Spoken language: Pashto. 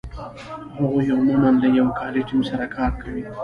هغوی عمومآ له یو کاري ټیم سره کار کوي.